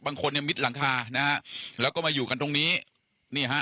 บางคนเนี่ยมิดหลังคานะฮะแล้วก็มาอยู่กันตรงนี้นี่ฮะ